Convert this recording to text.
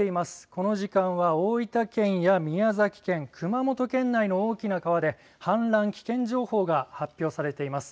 この時間は大分県や宮崎県、熊本県内の大きな川で氾濫危険情報が発表されています。